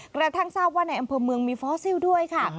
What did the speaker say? กระทั่งทราบว่าในอำเภอเมืองมีฟอสซิลด้วยค่ะ